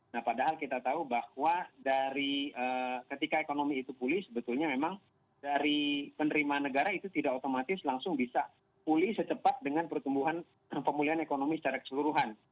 nah padahal kita tahu bahwa dari ketika ekonomi itu pulih sebetulnya memang dari penerimaan negara itu tidak otomatis langsung bisa pulih secepat dengan pertumbuhan dan pemulihan ekonomi secara keseluruhan